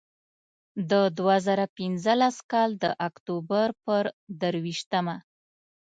د دوه زره پینځلس کال د اکتوبر پر درویشتمه.